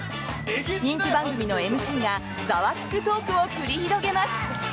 人気番組のＭＣがザワつくトークを繰り広げます。